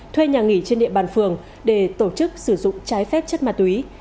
thuê nhà nghỉ trên địa bàn phường để tổ chức sử dụng trái phép chất ma túy